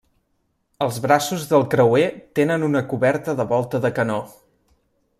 Els braços del creuer tenen una coberta de volta de canó.